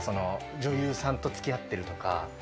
女優さんと付き合ってるとか。